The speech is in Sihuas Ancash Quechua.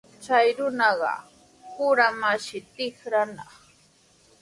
Chay runaqa kurumanshi tikranaq.